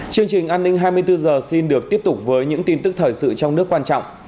chương trình an ninh hai mươi bốn h xin được tiếp tục với những tin tức thời sự trong nước quan trọng